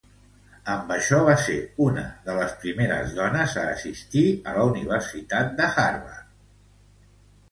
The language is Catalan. Amb això va ser una de les primeres dones a assistir a la Universitat Harvard.